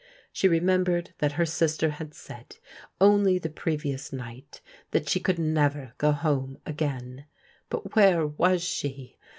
She remembered that her sister had said, only the previ ous night, that she could never go home again. But where was she?